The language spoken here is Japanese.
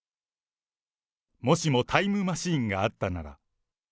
もしもタイムマシンがあったなら。